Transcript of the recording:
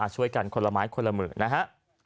ช่วยกันคนละไม้คนละหมื่นนะฮะ